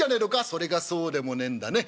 「それがそうでもねえんだね。